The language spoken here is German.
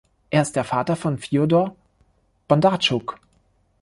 Er ist der Vater von Fjodor Bondartschuk.